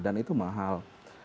dan itu mahal